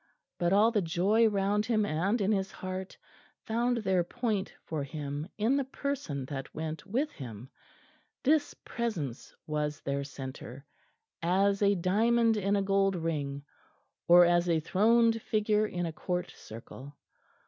But all the joy round him and in his heart found their point for him in the person that went with him; this presence was their centre, as a diamond in a gold ring, or as a throned figure in a Court circle.